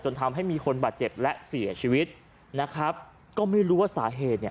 ทำให้มีคนบาดเจ็บและเสียชีวิตนะครับก็ไม่รู้ว่าสาเหตุเนี่ย